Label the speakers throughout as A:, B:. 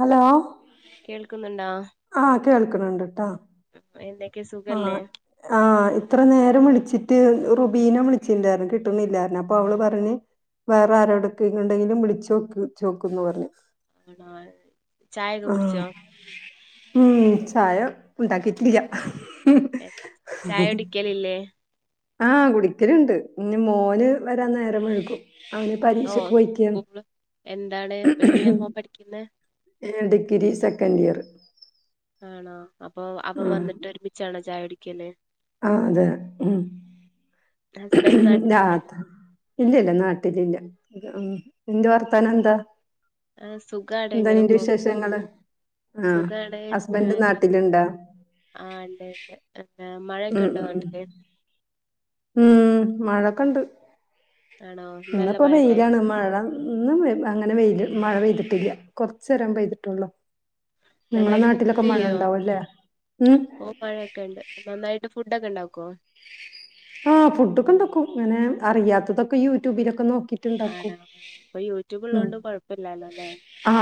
A: Hello
B: കേൾക്കുന്നുണ്ടാ?
A: ആ കേൾക്കണണ്ട്ട്ടാ.
B: എന്തൊക്കെ
A: ആ
B: സുഖല്ലേ
A: ആ ഇത്ര നേരം വിളിച്ചി [inaudible] മ റുബീനെ വിളിച്ചിണ്ടായിരന്ന് കിട്ടുന്നില്ലാര അപ്പൊ അവള് പറഞ്ഞഞ്, വേറെ ആരോടക്കെണ്ടെങ്കിലും വിളിച്ചുോക്ക ചോക്കുംന്ന് പറഞ്ഞു.
B: ആണോ ചായൊക്കെ
A: ആഹ
B: കുടിച്ചോ
A: ഉം ച്ചായ ഉണ്ടാാക്കിട്ടലിയ
B: എ- ചായ
A: [unintelligible]
B: കുടിക്കലില്ലേ
A: ആഹ് കുടിക്കലുണ്ട് ഇ മോന് വരാൻ നേരം വൈകും.
B: ഓ സ്കൂള് എന്താണ് എന്തിനാ മോൻ പഠിക്കുന്ന?
A: Degree second year.
B: ആണോ അപ്പൊ അവൻ
A: ആ
B: വന്നിട്ട് ഒരുമിച്ചണോ ചായ കുടിക്കല്?
A: ആ അതെ ഉം.
B: ഹസ്ബൻഡ് നാട്ടിലില്ലേ
A: [unintelligible] ഇല്ലല്ല നാട്ടിലില്ല. നിന്റെ വർത്തനം എന്താ
B: ആ സുഖാണ്
A: എന്താ
B: ഇങ്ങനെ
A: നിന്റെ
B: പോകുന്നു
A: വിശേഷങ്ങള്? ആഹ്
B: സുഖാണ്
A: ഹസ്ബൻഡ് നാട്ടില്ണ്ടാ?
B: [inaudible] ആ ഇണ്ട് ഇണ്ട്. മഴക്കെ
A: ഉം
B: ഇണ്ടോ
A: ഉം
B: നാട്ടില്?
A: ഉം മഴക്കണ്ട്.
B: ആണോ ഇന്ന് നല്ല
A: ഇന്നിപ്പോ
B: മഴ ഉണ്ടായിരുന്നു
A: വെയിലാണ് മഴ ഇന്ന് അങ്ങനെ വെയില് മഴ പെയ്തിട്ടില്ല. കൊറചേരം പെയ്തിട്ടുള്ളു. നിങ്ങളെ
B: നന്നായിട്ട് കുക്ക്
A: നാട്ടിലൊക്കെ മഴ
B: ചെയ്യോ
A: ഉണ്ടാവുംല്ലേ? ഉം
B: ഓ മഴയൊക്കെണ്ട്. നന്നായിട്ട് ഫുഡ്ക്കെ ഇണ്ടാക്കോ?
A: ആഹ ഫുഡൊക്കെ ഉണ്ടാക്കും അങ്ങനെ അറിയാത്തതൊക്കെ യൂട്യൂബിലൊക്കെ നോക്കിട്ട്ണ്ടാക്കും.
B: ആണോ ഇപ്പൊ യൂട്യൂബ്
A: ഉ
B: ഉള്ളോണ്ട് കൊഴപ്പില്ലാലോ അല്ലേ
A: ആ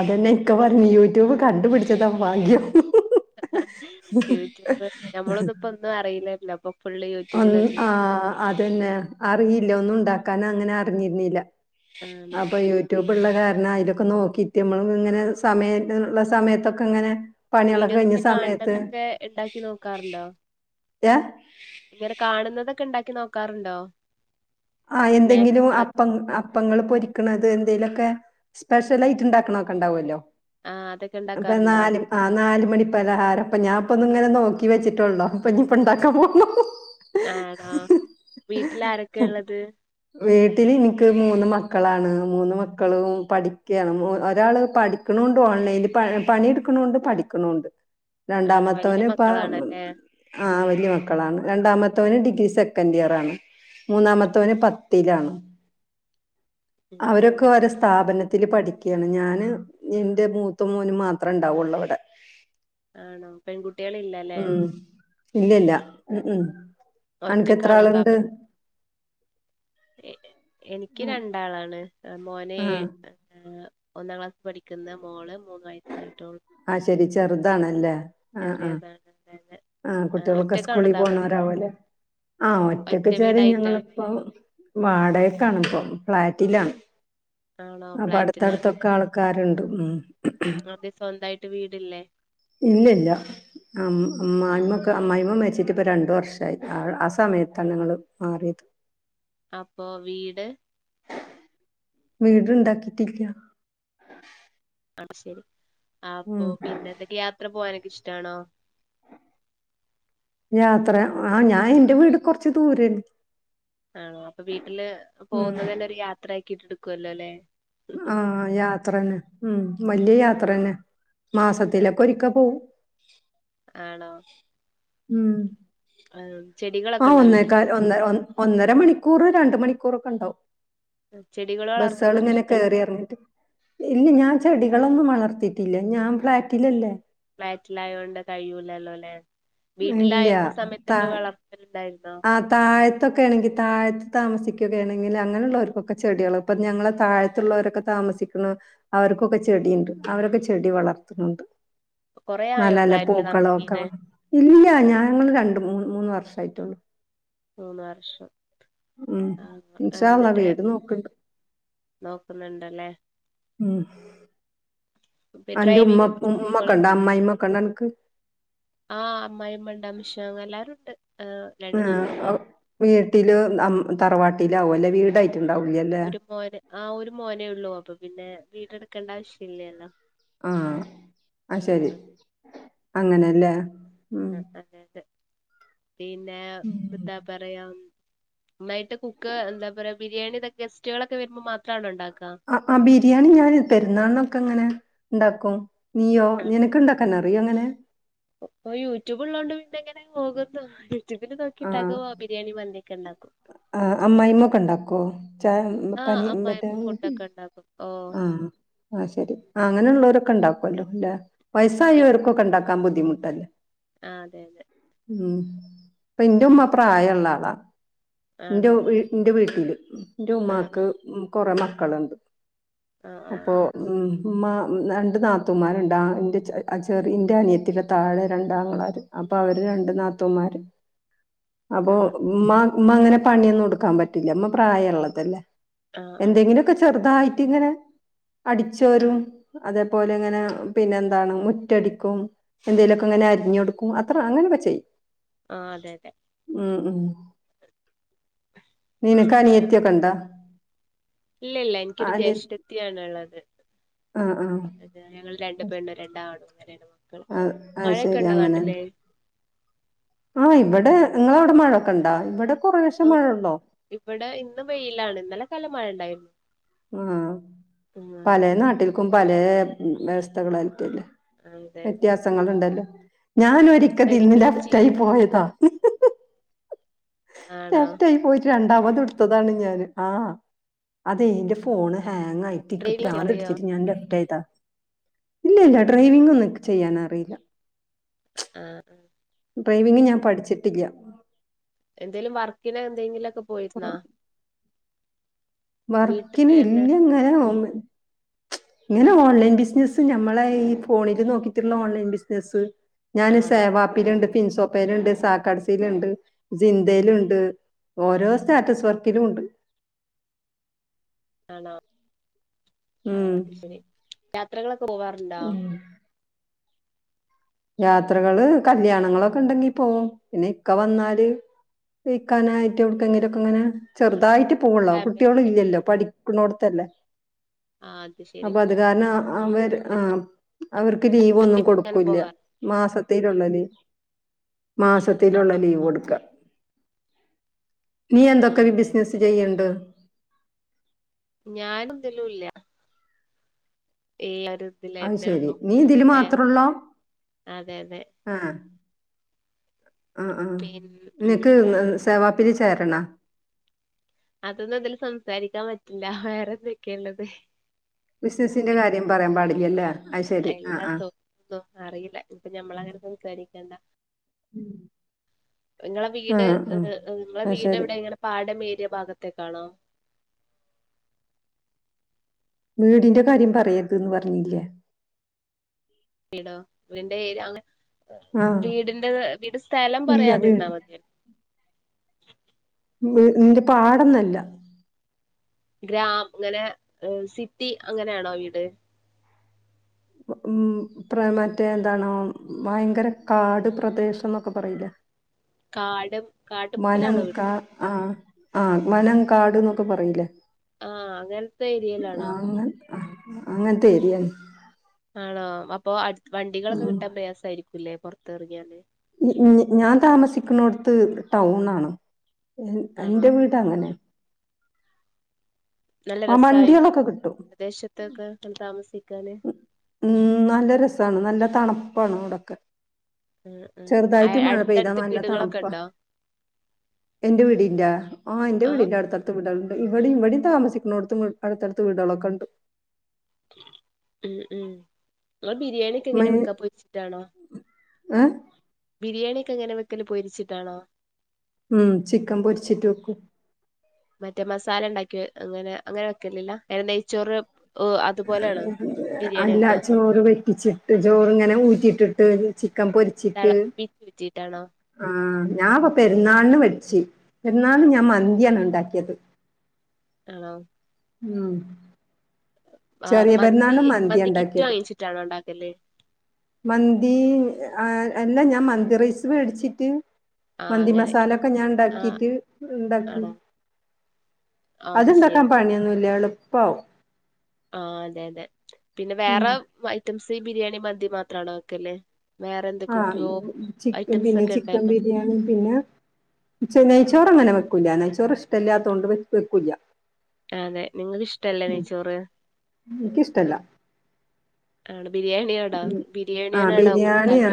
A: അതെന്നെ ഇക്ക പറഞ്ഞീന്ന്. ട്യൂബ് കണ്ടുപിടിച്ചതാ ഭാഗ്യം. [unintelligible]
B: യൂട്യൂബ് ഞമ്മളൊന്നുംപ്പോ ഒന്നും അറിയില്ലല്ല പ്പൊ
A: ഒ ആ അതന്നെ അറിയില്ല ഒന്നും ഉണ്ടാക്കാനങ്ങനെ അറിഞ്ഞിര്ന്നീല.
B: ആണോ
A: അപ്പൊ യൂട്യൂബ് ഉള്ള ക ന്നാ അതിലൊക്കെ നോക്കിട്ട നമ്മള് ഇങ്ങനെ സമയള്ള സമയത്തൊക്കെ ഇങ്ങനെ, പണികളൊക്കെ കഴിഞ്ഞ
B: വിഡിയോസിൽ
A: സമയത്ത്
B: കാണതൊക്കെ ഉണ്ടാക്കി നോക്കാറുണ്ടോ?
A: ഏ
B: [inaudible] കാണുന്നതൊക്കെ ഇണ്ടാക്കി നോക്കാറുണ്ടോ?
A: ആ എന്തെങ്കിലും
B: സ്നാക്സുകളൊക്കെ
A: അപ്പം അപ്പങ്ങൾ പൊ [inaudible] ണത് എന്തെലുമൊക്കെ സ്പെ്യൽ ആയിട്ട് ഇണ്ടാക്കണൊക്കെണ്ടാവുല്ലോ.
B: ആ അതൊക്കെ
A: അപ്പ
B: ഉണ്ടാക്കാറുണ്ടോ
A: നാല് ആ നാലും [unintelligible] മണിപ്പലഹാര അപ്പ ഞാൻപ്പൊ ഒന്ന് ഇങ്ങനെ നോക്കി വച്ചിട്ടുള്ളോ അപ്പൊ ഇീപ്പ ഉണ്ടാക്കാൻ പോണം.
B: ആണോ വീട്ടിൽ ആരൊക്കെ
A: [unintelligible]
B: ഉള്ളത്
A: വീട്ടിൽ നിക്ക് മൂന്ന് മക്കളാണ് മൂന്ന് മക്കളും പഠിക്കാണ് ഒരാള് പിടിക്ക്ണു. ഓൺലൈനിൽ പണിടുക്കണണ്ട് പടിക്കണണ്ട്.
B: ആണോ വലിയ
A: രണ്ടാമത്തവന് ഇപ്പ
B: മക്കളാണല്ലേ
A: ആ വലയ മക്കളാണ് രണ്ടാമത്തെ ത്തവന് ഡിഗ്രി സെക്കൻഡ് ഇയർ ആണ്
B: ആ
A: മൂന്നാമത്തവന് പത്തിൽാണ്
B: ഉം ഉം
A: അവരൊക്കെ വര സ്ഥാപനത്തി ത്തി പഠിക്കുകയാണ് ഞാന് എറെ മൂത്ത മോന് മാത്രം ഉണ്ടാവുള്ളൂ അവിടെ
B: ആണോ പെൺകുട്ടികൾ ഇല്ലല്ലെ
A: ഇല്ലല്ല ഉ ഉം എനക്ക് എത്ര
B: ഒറ്റക്കാണോ
A: ആളുണ്ട്
B: താമസ എനിക്ക് രണ്ടാളാണ് മോനെ
A: ആ
B: ഏ ഒന്നാം ക്ലാസ് പഠിക്കുന്ന മോള് മൂന്നാഴ്ച
A: ആഹ് ശെരി ചെറുതാണല്ലേ ആ ആ
B: ചെറിയതാണ്
A: ആഹ് കുട്ടികളൊക്കെ
B: ഒറ്റക്കാണോ
A: സ്കൂളിൽ
B: താമസി
A: പോണവരാവുല്ലേ ആഹ് ഒറ്റക്ക്
B: ഒറ്റ
A: വെച്ചാല്
B: വീടായിട്ടാണോ
A: ഞങ്ങളിപ്പോ വാടകക്കാണ് ഫ്ലാറ്റിലാണ്
B: ആണോ
A: അപ്പൊ
B: ഫ്ലാറ്റിലാണോ
A: അടുത്തടുത്തൊക്കെ ആൾക്കാരുണ്ട് ഉം
B: അതെ സ്വന്തായിട്ട് വീടില്ലേ
A: ഇല്ല ഇല്ല ആഹ് ആഹ് [unintelligible] അമ്മായിഅമ്മ മരിച്ചിട്ട് ഇപ്പ രണ്ടു വർഷമായി ആ സമയത്താണ് ഞങ്ങള് മാറിയത്.
B: അപ്പോ വീട്?
A: വീട് ഇണ്ടാക്കിട്ടില്ല്യ
B: ആഹ് ശരി ആപ്പൊ പിന്നെ എന്തൊക്കെ യാത്ര പോകാനൊക്കെ ഇഷ് റ്റാണോ
A: യാത്ര ആഹ് ഞാൻ ന്റെ വീട് കുറച്ച് ദൂരണ്
B: ആണോ അപ്പൊ വീട്ടില് പോകുന്നതന്നെ ഒരു യാത്രയാക്കിട്ട് എടുക്കുവല്ലോല്ലെ
A: ആഹ് യാത്രന്ന ഉം വല്യ യാത്രന്നെ
B: ആ,
A: മാസത്തിലൊക്കെ ഒരിക്ക പോവും ഉം
B: അഹ്
A: ആഹ് ഒന്നേക്കാ ഒന്ന ഒന്നര മണിക്കൂർ രണ്ട് മണിക്കൂറൊക്കെണ്ടാവും
B: ചെടികൾ വളർത്തുന്നൊക്കെ
A: ബസ്സള്ങ്ങനെ
B: ഇഷ്ടാണോ
A: കേറി ഇറങ്ങിട്ട് ഇല്ല ഞാൻ ചെടി കളൊന്നും വളർത്തിട്ടില്ല ഞാൻ ഫ്ലാറ്റിലല്ലേ
B: ഫ്ളാറ്റിലായോണ്ട് കഴിയൂലല്ലോ അല്ലെ വീട്ടിലായിരുന്ന സമയത്തൊക്കെ വളർത്തല്ണ്ടായി
A: ആഹ് താഴത്തൊക്കെ ആണെങ്കി താഴത്ത് താമസിക് ക്യുകേണെങ്കില് അങ്ങനെയുള്ളവർക്കൊക്കെ ചെടിയൊളപ്പ ഞങ്ങളെ തഴത്തുള്ളവരൊക്കെ താമസിക്ണോ അവർക്കൊക്കെ ചെ ടിണ്ട് അവരൊക്കെ ചെടി വളർത്ണണ്ട്
B: കൊറേ ആയോ
A: നല്ലല്ല
B: ഫ്ളാറ്റില്
A: പൂക്കളോ ഒക്കെ
B: താമസിക്കണേ
A: ഇല്ല ഞാങ്ള് രണ്ട് മൂന്ന് മൂന്ന് വർഷയിട്ടുള്ളൂ
B: മൂന്ന് വർഷം
A: ഉം
B: ആഹ്
A: [unintelligible]
B: എന്നിട്ട്
A: വീട് നോക്ണ്ട്
B: നോക്കുന്നുണ്ടല്ലേ
A: ഉം
B: പി
A: അന്റെ
B: ഡ്രൈവിംഗ്
A: ഉമ്മ
B: ഒക്കെ ങ്ങള്
A: ഉമ്മക്കണ്ടാ അമ്മ്മക്കണ്ടാ അൻക്ക്
B: ആഹ് അമ്മായിമ്മണ്ടമ്ഷ എല്ലാരുണ്ട്
A: ആഹ് അഹ് വീട്ടില് അം തറവാട്ടിലാവു അല്ലെ വീടാ
B: ഒരു മോന് ആഹ് ഒരു മോനേ ഉള്ളൂ അപ്പൊ പിന്നെ വീടെടുക്കേണ്ട ആവശ്യം ഇല്ലല്ലോ
A: ആഹ് അത് ശരി അങ്ങനെല്ലേ ഉം
B: ആഹ് [unintelligible] അതെ പിന്നെ എന്താ പറയാ നന്നായിട്ട് കുക്ക് എന്താ പറയാ ബിരിയാണി ഇതൊക്കെ ഗസ്റ്റുകളൊക്കെ വെരുമ്പോ മാത്രാണോ ഇണ്ടാ
A: ആഹ് ആഹ് ബിരിയാണി ഞാന് പെരുന്നാളിനൊക്കെ ഇങ്ങനെ ഉണ്ടാക്കും നീയോ നിനക്ക് ഇണ്ടാക്കാൻ അറിയോ അങ്ങനെ?
B: ഇപ്പോ യൂട്യൂബ് ഉള്ളോണ്ട് പിന്നെ ഇങ്ങനെ പോകുന്നു യൂട്യൂബില്
A: ആഹ്
B: നോക്കിയിണ്ടാക്കും ബിരിയാണിയും മന്തീം ക്കെ ഇണ്ടാക്കും.
A: ആഹ് അമ്മായിമ്മൊക്കെ ഇണ്ടാക്കോ? ചാ
B: ആഹ്
A: പനി മറ്റേ
B: അമ്മായിമ്മ ഫുഡൊക്കെ ഉണ്ടാക്കും ഓ
A: ആഹ് അത് ശരി ആ അങ്ങനെള്ളോരൊക്കെ ഇണ്ടാക്കും [unintelligible] ല്ലേ വയസായോർക്കൊക്കെ ഇണ്ടാക്കാൻ ബുദ്ധിമുട്ടല്ലേ
B: ആഹ് അതെ അതെ
A: ഉം ഇപ്പ ഇൻ്റുമ്മ പ്രായള്ള ആളാ ന്റെ
B: ആണോ
A: ന്റെ വീട്ടില്
B: ആഹ്
A: ന്റുമ്മാക്ക് കൊറെ മക്കള്ണ്ട്
B: ആഹ്
A: അപ്പോ
B: ആഹ്
A: ഉം ഉമ്മ രണ്ട് നാത്തൂമാര്ണ്ട് ആ ന്റെ ച് അ ചെറി ഇന്റെ അനിയത്തിടെ താഴെ രണ്ടാങ്ങളാര് പ്പൊ അവര് രണ്ട് നാത്തൂമാര് അപ്പൊ
B: ആഹ്
A: മ്മാ മ്മങ്ങനെ പണ്യോന്നുംടുക്കാൻ പറ്റൂല മ്മ പ്രായള്ളതല്ലേ.
B: ആഹ്
A: എന്തെങ്കിലൊക്കെ ചെറ്തായിട്ട് ങ്ങനെ അടിച്ചോരും അതേപോലെ ങ്ങനെ പിന്നെ ന്താണ് മുറ്റടിക്കും എന്തെലൊക്കെങ്ങനെ ന്നെ അര്ഞ്ഞൊട്ക്കും അത്ര അങ്ങനൊക്കെ ചെയ്യും
B: ആ തെതെ
A: ഉം മ് നിനക്കനിയത്യോക്കെ ണ്ടാ
B: ല്ല ല്ല ഇന്ക്കൊരു ജ്യേഷ്ഠത്തിയാണ്ള്ളത്
A: ആഹ് ആഹ്
B: അത് ഞങ്ങൾ രണ്ടുപെണ്ണും രണ്ടാണും [unintelligible] ക്കൾ
A: ആഹ് അത് ശരി
B: മഴൊക്കെണ്ടോ
A: അങ്ങനെ
B: നാട്ട്ല്
A: ആഹ് ഇവടെ ങ്ങളാടെ മഴൊക്കെണ്ടാ വടെ
B: ആ ഇവടെ ഇന്ന് വെയിലാണ് ഇന്നലൊക്കല്ല മഴ ഉണ്ടായിർന്നു
A: ആഹ് പലേ നാട്ടിൽക്കും പലേ വ്യവസ്ഥകളായിട്ടല്ലേ
B: അതെ
A: വ്യത്യാസങ്ങളുണ്ടല്ലോ ഞാനൊരിക്കതിൽന്ന്
B: ഡ്രൈവിംഗ് ഒക്കെ
A: ലെഫ്
B: ചെയ്
A: റ്റായി പോയതാ
B: ആണോ
A: ലെഫ്റ്റായി പോയിറ്റ് ര അവദുട്ത്തതാണ് ഞാൻ ആഹ് അതെ ന്റെ ഫോൺ ഹാ ങ്ങായിറ്റ് ഇക്ക്
B: ഡ്രൈവിംഗ് അറിയോ
A: ഭ്രാന്തുട്ച്ചിട്ട് ഞാൻ ലെഫ്റ്റായതാ ഇല്ല ല്ല
B: ആഹ്
A: ഡ്രൈവിങ്ങൊന്നും ഇക്ക് ചെയ്യാനറില
B: ആഹ്
A: ഡ്രൈവിങ് ഞാൻ പഠിച്ചിട്ടില്ല
B: എന്തേലും വർക്കിനെന്തെങ്കിലൊക്കെ പോയിർന്നോ
A: വർക്കിന്
B: തന്നെ
A: ഇല്ലങ്ങനെ ഒന്ന് ങ്ങനെ ഓൺലൈൻ ബിസിനസ്സ് ഞമ്മളെ ഈ ഫോണില് നോക്കിട്ട്ള്ള ഓൺലൈൻ ബിസിനസ്സ് ഞാന്
B: ആണോ
A: സേവാപ്പില്ണ്ട് ഫിൻസോപ്പേല്ണ്ട് സാക്കട്സില്ണ്ട് സിന്തേല്ണ്ട് ഓരോ സ്റ്റാറ്റസ് വർക്കിലു ണ്ട്
B: ആണോ ആ
A: ഉം
B: അഹ്ശരി യാത്രകളൊക്കെ പോവാറ്ണ്ടോ?
A: യാത്രകള് കല്യാണങ്ങളൊക്കെ ണ്ടെങ്കി പോവും പിന്നെ ഇക്ക വന്നാല് വെയ്ക്കാനായിട്ട് യൗട്ക്കെങ്കിലൊക്കെങ്ങനെ ചെറ്തായിറ്റ് പോവള്ളോ
B: ഫാമിലി
A: കുട്ട്യോളില്ല്യല്ലോ പഠിക്ക്ണോട്ത്തല്ലേ
B: ആത്
A: അപ്പൊ അത് കാരണം അ അവര് ആഹ് അവർക്ക് ലീവൊന്നും
B: അങ്ങനെ
A: കൊടുക്കൂല്ല്യ
B: പോകാറ്
A: മാസത്തിലുള്ള ലീവ് മാസത്തിലുള്ള
B: ആഹ് ആഹ്
A: ലീവൊട്ക്ക നീ എന്തൊക്കെ
B: ആഹ് അതെ
A: ബിസിനസ്സ്
B: അതെ
A: ചെയ്യ്ണ്ട്
B: ഞാനെന്ത്‌ലും ല്ല ഇല്ല
A: അഹ്ശെരി നീ ഇതില് മാത്രൊള്ളോ
B: അതെ അതെ
A: ആഹ് ആ ആ
B: പിൻ ഉം
A: നിനക്ക്
B: ഉം
A: സേവാപ്പില് ചേരണ?
B: അതൊന്നും തില് സംസാരിക്കാൻ പറ്റില്ല വേറെന്തൊക്കെള്ളത്?
A: ബിസിനസ്സിന്റെ കാര്യം പറയാൻ പാടില്ല്യല്ലേ
B: അല്ലാത്തോന്നും അറീല പ്പ ഞമ്മള ങ്ങനെ സംസാരിക്കണ്ടാ
A: ഉം
B: ങ്ങളെ വീട് ങ്ങളെ
A: ആ ശരി
B: വീടെവ്ടെ ങ്ങനെ പാടം ഏ പുന്റെ ഭാഗത്തേ കാണാം
A: വീടിന്റെ കാര്യം പറയരുത്ന്ന് പറഞ്ഞില്ലേ
B: ടോ നിന്റെ രി അങ്ങനെ
A: ആ
B: വീടിന്റെ വീട് സ്ഥലം
A: ഇല്ല
B: പറയാതിരുന്നാ
A: വീട്
B: മതിയ
A: നിന്റെ പാടൊന്നല്ല
B: ഗ്രാം അങ്ങനെ സിറ്റി അങ്ങനെയാണോ വീട്
A: ഉം പ്ര മറ്റേ എന്താണോ ഭയങ്കര കാട് പ്രദേശന്നൊക്കെ പറയില്ലേ
B: കാടും
A: മനം
B: കാട്ടുമുക്കിലാണോ
A: കാ
B: വീട്
A: ആഹ് ആഹ് മനം കാട്ന്നൊക്കെ പറയൂല്ലേ
B: ആഹ് അങ്ങനത്തെ ഏരിയേലാണോ?
A: ഉം അങ്ങനത്തെ ഏരിയാന്ന്
B: ആണോ അപ്പൊ അടുത് വണ്ടികളൊക്കെ കിട്ടാൻ പ്രയാസായിരിക്കുല്ലേ പൊറത്ത് എറങ്ങിയാല്?
A: ഉം ഞാൻ താമസിക്കുണോടത്ത് ടൗൺ ആണ് [unintelligible] ഇ
B: ആണോ
A: ന്റെ വീട് അങ്ങനെയാ
B: നല്ല
A: ആ
B: രസായിരി
A: വണ്ടികളൊക്കെ കിട്ടും
B: പ്രദേശത്തൊക്കെ [unintelligible] താമസി
A: ഉം നല്ല രസാണ് നല്ല തണുപ്പാണ് അവിടൊക്കെ
B: ആഹ് ആഹ്
A: ചെർതായിട്ട്
B: ആഹ്
A: മഴ പെയ്താ
B: അടുത്തടുത്ത്
A: നല്ല
B: വീടുകളൊക്കെ
A: തണുപ്പാ.
B: ഉണ്ടോ
A: എന്റെ വീടിന്റാ ആഹ് എന്റെ വീടിന്റെ അട്ത്തട്ത്ത് വീടള് ഇവടിം ഇവടിം താമസിക്ക്ണോട്ത്തും അട്ത്തട്ത്ത് വീടളൊക്കണ്ട്.
B: ഉം ഉം ഇങ്ങൾ ബിരിയാണിക്കെ എങ്ങനെ വെക്കാ പൊര്ച്ചിട്ടാണോ?
A: ഏഹ്
B: ബിരിയാണിയൊക്കെ എങ്ങനെ വെക്കല് പൊരിച്ചിട്ടാണോ?
A: ഉം ചിക്കൻ പൊര്ച്ചിട്ട് വെക്കും.
B: മറ്റ മസാല ഇണ്ടാക്കിയ അങ്ങനെ അങ്ങനെ വെക്കലില്ല നെയ്ച്ചോറ് ഓഹ് അതുപോലെയാണോ ബിരിയാണി
A: അല്ല
B: വെക്കാ
A: ചോറ് വെറ്റിച്ചിട്ട് ചോറ്ങ്ങനെ ഊറ്റിട്ടിട്ട്. ചിക്കം പൊരിച്ചിട്ട്
B: തിളപ്പിച്ച് ഊറ്റിട്ടാണോ
A: ആഹ് ഞാപ്പൊ പെര്ന്നാൾന് വെച്ച്. പെരുന്നാൾന് ഞാൻ മന്തിയാണ് ഇണ്ടാക്കിയത്.
B: ആണോ
A: ഉം
B: ആഹ്
A: ചെറിയ
B: മന്തി
A: പെരുന്നാളിന് മന്തിയാ
B: മന്തിക്കിറ്റ്
A: ഉണ്ടാക്കിയത്
B: വാങ്ങിച്ചിട്ടാണോ ഇണ്ടാക്കല്?
A: മന്തി ആ അല്ലാ ഞാൻ മന്തി റൈസ് വേടിച്ചിട്ട്
B: ആഹ്
A: മന്തി
B: അങ്ങനെ
A: മസാല ഒക്കെ ഞാൻ
B: ആഹ്
A: ഇണ്ടാക്കിട്ട് ഇണ്ടാക്കി.
B: ആണോ അത്
A: അത്ണ്ടാക്കാ
B: ശരി
A: പണിയൊന്നുംല്ല എളുപ്പാവും.
B: ആഹ് അതെ അതെ പിന്നെ
A: ഉം
B: വേറെ ഐറ്റംസ് ബിരിയാണി മന്തി മാത്രാണോ വെക്കല്. വേറെ
A: ആഹ്
B: എന്തൊക്കൊക്കെയോ
A: ചിക്ക
B: ഐറ്റംസ്
A: പിന്നെ
B: ഒക്കെ
A: ചിക്കൻ
B: ഉണ്ടല്ലോ
A: ബിരിയാണി പിന്നെ നെയ്ച്ചോറ് അങ്ങനെ വെക്കൂല. നെയ്ച്ചോറ് ഇഷ്ടല്ലാത്തോണ്ട് വെക്കൂല്ല.
B: അതെ നിങ്ങക്ക് ഇഷ്ടല്ലേ നെയ്ച്ചോറ്?
A: എനിക്കിഷ്ടല്ല
B: ആണ് ബിരിയാണിയോടോ ബിരിയാണിയന്നെടാവും താല്പ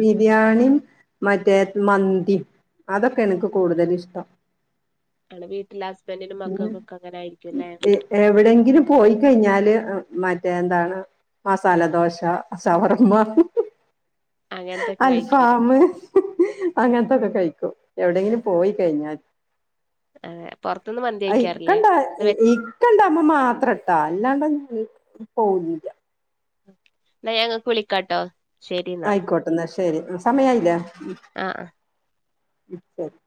A: ബിരിയാണിം മറ്റേ മന്തിം. അതൊക്കേണ് ഇൻക്ക് കൂടുതല് ഇഷ്ടം.
B: ആണ് വീട്ടിലെ ഹസ്ബൻഡിനും
A: ഉം
B: മക്കൾക്കൊക്കെ അങ്ങനെ ആയിരിക്കുംല്ലേ
A: എവിടെങ്കിലും പോയി കഴിഞ്ഞാല് മ റ്റേ എന്താണ് മസാലദോശ ശവർമ്മ [inaudible]
B: അങ്ങനത്തൊക്കെ കഴിക്കുവല്ലേ
A: അൽഫാമ് അങ്ങൻത്തൊക്കെ കഴിക്കും ഹൌ ടേങ്കിലു പോയി കഴിഞ്ഞാൽ
B: ആഹ്
A: ഇക്കണ്ട ഇക്കണ്ടാഹ് മ്മ മാത്രം ട്ടൊ അല്ലാണ്ട് പോന്നില്ല
B: ഇന്നാ ഞാ ഇങ്ങക്ക് വ്ളിക്കട്ടൊ
A: ആയിക്കോട്ടെ ഇന്നാ ശെരി സമയായില്ലെ
B: ആഹ് ആഹ്
A: ഉം ശരി